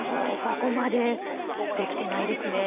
ここまではできてないですね。